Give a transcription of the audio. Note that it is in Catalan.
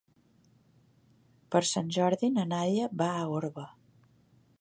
Per Sant Jordi na Nàdia va a Orba.